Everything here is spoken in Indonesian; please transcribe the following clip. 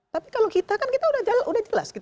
tapi kalau kita kan kita udah jelas